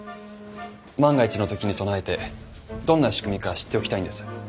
万が一の時に備えてどんな仕組みか知っておきたいんです。